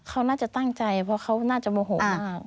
เขาน่าจะตั้งใจเพราะเขาน่าจะโมโหมาก